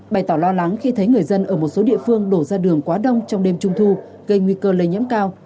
bày tỏ lo lắng khi thấy người dân ở một số địa phương đổ ra đường quá đông trong đêm trung thu gây nguy cơ lây nhiễm cao